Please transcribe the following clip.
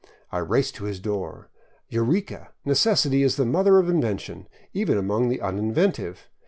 I raced to his door. Eureka ! Necessity is the mother of invention, even among the uninventive.